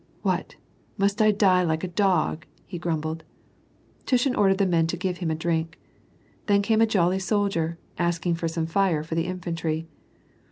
" What, must I die like a dog ?" he grumbled. Tushin ordered the men to give hiin a drink. Then came a jolly soldier, asking for some tire for the infantry.